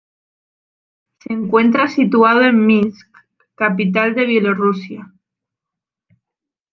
Se encuentra situado en Minsk, capital de Bielorrusia.